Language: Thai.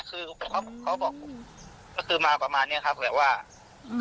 คือเขาบอกก็คือมาประมาณเนี่ยครับแบบว่า